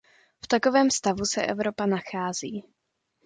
V takovém stavu se Evropa nachází.